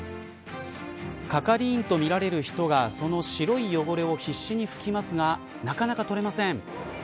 係員とみられる人がその白い汚れを必死に拭きますがなかなか取れません。